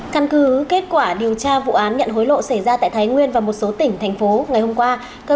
căn cứ kết quả điều tra vụ án nhận hối lộ xảy ra tại thái nguyên và một số tỉnh thành phố